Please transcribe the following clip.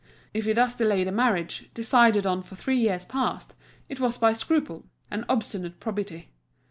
If he thus delayed a marriage, decided on for three years past, it was by scruple, an obstinate probity.